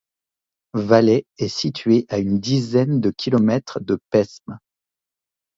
Valay est situé à une dizaine de kilomètres de Pesmes.